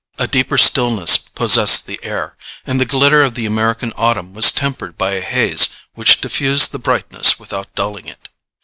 A deeper stillness possessed the air, and the glitter of the American autumn was tempered by a haze which diffused the brightness without dulling it.